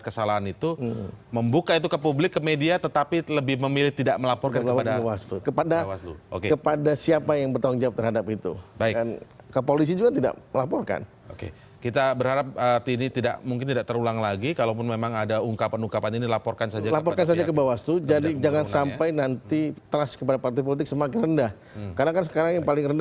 kemudian juga dimintai mahar